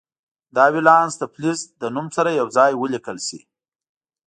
دا ولانس د فلز له نوم سره یو ځای ولیکل شي.